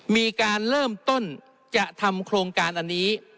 มีการเริ่มต้นจะทำโครงการอันนี้